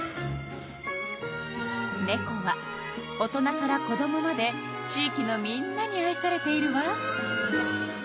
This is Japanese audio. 「ねこ」は大人から子どもまで地いきのみんなに愛されているわ。